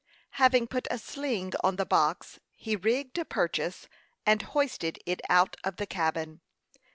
Having put a sling on the box, he rigged a purchase, and hoisted it out of the cabin.